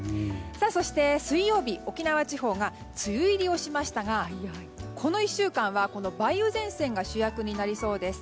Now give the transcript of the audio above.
そして水曜日、沖縄地方が梅雨入りをしましたがこの１週間は梅雨前線が主役になりそうです。